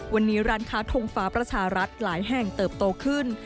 วันนี้ร้านค้าทงฟ้าประชารัฐหลายแห่งเติบโตขึ้น